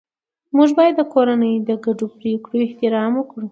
موږ باید د کورنۍ د ګډو پریکړو احترام وکړو